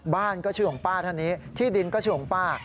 บ้านก็ชื่อของป้าท่านนี้ที่ดินก็ชื่อของป้า